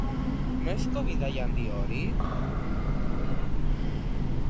Noizko bidaia handi hori?